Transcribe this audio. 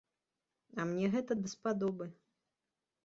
А мне гэта даспадобы.